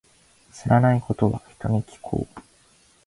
知らないことは、人に聞こう。